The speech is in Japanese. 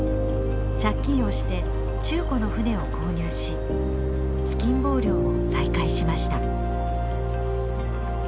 借金をして中古の船を購入し突きん棒漁を再開しました。